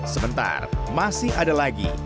sebentar masih ada lagi